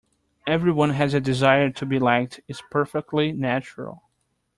Everyone has a desire to be liked, it's perfectly natural.